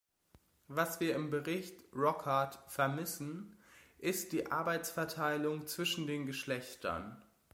Was wir im Bericht Rocard vermissen, ist die Arbeitsverteilung zwischen den Geschlechtern.